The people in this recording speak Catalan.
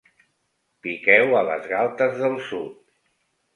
Piqueu a les galtes del sud.